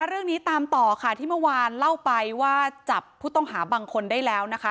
เรื่องนี้ตามต่อค่ะที่เมื่อวานเล่าไปว่าจับผู้ต้องหาบางคนได้แล้วนะคะ